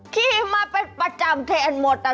ขี่ม้าเป็นประจำแทนมอเตอร์ไทย